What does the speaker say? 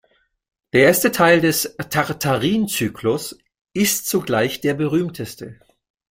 Der erste Teil des Tartarin-Zyklus ist zugleich der berühmteste.